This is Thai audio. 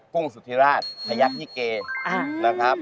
กุ้งสุธิราชภัยัทธิเกย์นะครับ